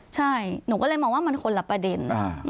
ใช่หนูก็เลยมองว่ามันคนละประเด็น